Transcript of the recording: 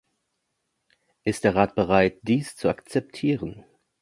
Ist der Rat bereit, dies zu akzeptieren?